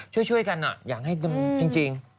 ช่วยกันอยากให้จริง